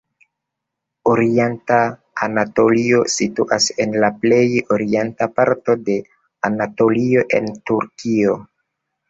Orienta Anatolio situas en la plej orienta parto de Anatolio en Turkio.